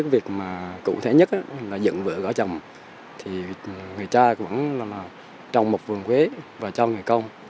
với cái việc mà cụ thể nhất là dựng vợ gõ chồng thì người cha vẫn là trồng một vườn quế và cho người cong